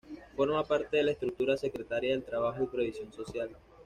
Forma parte de la estructura Secretaría del Trabajo y Previsión Social.